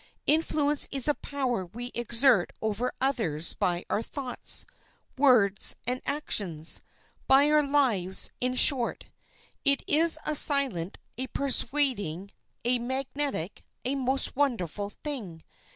Influence is a power we exert over others by our thoughts, words, and actions; by our lives, in short. It is a silent, a pervading, a magnetic, a most wonderful thing.